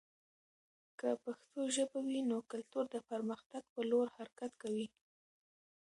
که پښتو ژبه وي، نو کلتور د پرمختګ په لور حرکت کوي.